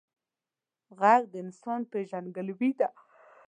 غږ د انسان پیژندګلوي ده